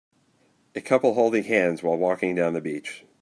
A couple holding hands while walking down the beach.